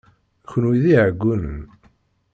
Kenwi d iɛeggunen!